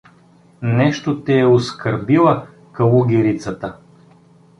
— Нещо те е оскърбила калугерицата?